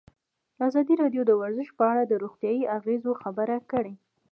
ازادي راډیو د ورزش په اړه د روغتیایي اغېزو خبره کړې.